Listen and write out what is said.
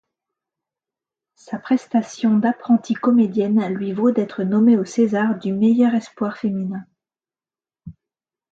Sa prestation d'apprentie-comédienne lui vaut d'être nommée au César du meilleur espoir féminin.